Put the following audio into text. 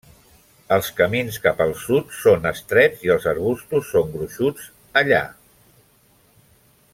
Els camins cap al sud són estrets i els arbustos són gruixuts allà.